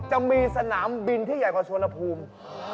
จะมีสนามบินที่ใหญ่กว่าสวนภูมิ